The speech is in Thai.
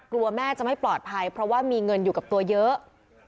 แม่จะไม่ปลอดภัยเพราะว่ามีเงินอยู่กับตัวเยอะ